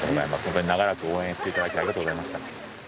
長らく応援していただきありがとうございました。